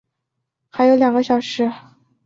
还有两个小时